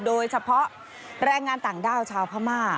โดยเฉพาะแรงงานต่างด้าวชาวพม่า